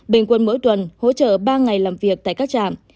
bình quân mỗi tuần hỗ trợ ba ngày làm việc tại các trạm